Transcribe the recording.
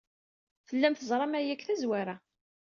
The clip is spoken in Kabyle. Tellam teẓram aya seg tazwara.